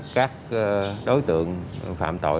các đối tượng phạm tội